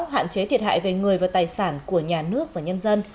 hạn chế thiệt hại về người và tài sản của nhà nước và nhân dân